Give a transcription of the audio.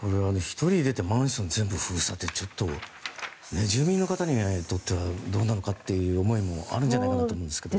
１人出たらマンション全部封鎖って住民の方にはどうなのかという思いもあると思いますが。